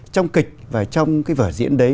trong kịch và trong cái vở diễn đấy